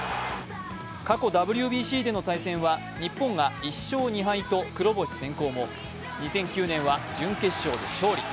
過去ＷＢＣでの対戦は日本が１勝２敗と黒星先行も２００９年は準決勝で勝利。